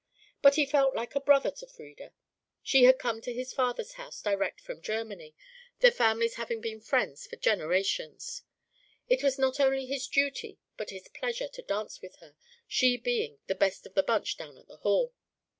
But he felt like a brother to Frieda; she had come to his father's house direct from Germany, their families having been friends for generations. It was not only his duty but his pleasure to dance with her, she being "the best of the bunch down at the hall."